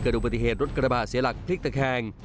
เกิดอุบัติเหตุรถกระบะเสียหลักพลิกตะแคง